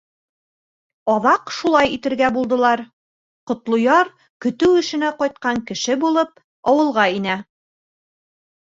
Аҙаҡ шулай итергә булдылар: Ҡотлояр, көтөү эшенә ҡайтҡан кеше булып, ауылға инә.